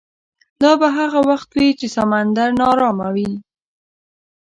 دا به هغه وخت وي چې سمندر ناارامه وي.